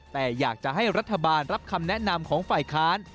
แต่อยากจะให้รัฐบาลรับคำแนะนำของฝ่ายค้าน